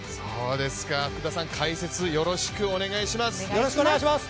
福田さん、解説よろしくお願いします。